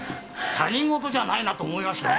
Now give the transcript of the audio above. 他人事じゃないなと思いましてね。